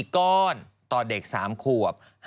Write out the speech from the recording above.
ก้อนต่อเด็ก๓ขวบ